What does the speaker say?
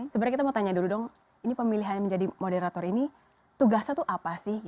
sebenarnya kita mau tanya dulu dong ini pemilihan menjadi moderator ini tugasnya tuh apa sih